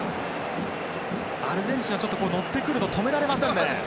アルゼンチンはちょっと乗ってくると止められませんね。